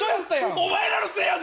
お前らのせいやぞ！